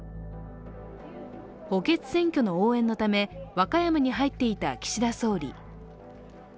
補欠選挙の応援のため、和歌山に入っていた岸田総理。